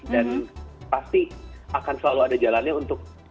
dan pasti akan selalu ada jalannya untuk